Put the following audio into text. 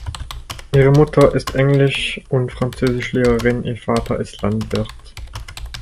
Ihre Mutter ist Englisch- und Französisch-Lehrerin, ihr Vater ist Landwirt.